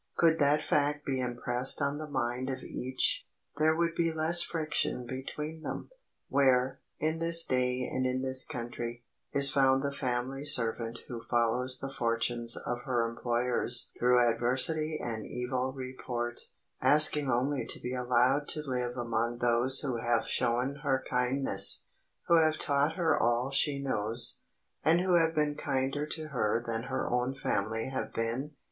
Could that fact be impressed on the mind of each, there would be less friction between them. Where, in this day and in this country, is found the family servant who follows the fortunes of her employers through adversity and evil report, asking only to be allowed to live among those who have shown her kindness, who have taught her all she knows, and who have been kinder to her than her own family have been?